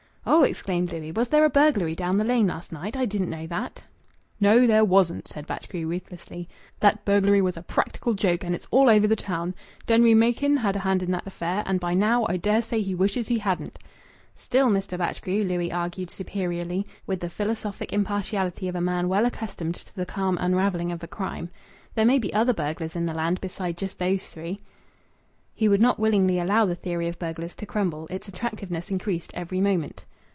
"Oh!" exclaimed Louis. "Was there a burglary down the Lane last night? I didn't know that." "No, there wasn't," said Batchgrew ruthlessly. "That burglary was a practical joke, and it's all over the town. Denry Machin had a hand in that affair, and by now I dare say he wishes he hadn't." "Still, Mr. Batchgrew," Louis argued superiorly, with the philosophic impartiality of a man well accustomed to the calm unravelling of crime, "there may be other burglars in the land beside just those three." He would not willingly allow the theory of burglars to crumble. Its attractiveness increased every moment.